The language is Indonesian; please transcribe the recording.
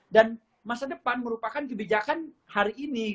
dan masa depan merupakan kebijakan hari ini